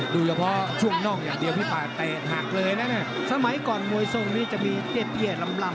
ดูเฉพาะช่วงน่องอย่างเดียวพี่พวกมันเตะหักเลยนะ